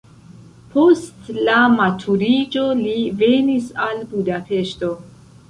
Post la maturiĝo li venis al Budapeŝto.